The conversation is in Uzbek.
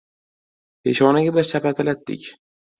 Peshonaga bir shapatilatdik.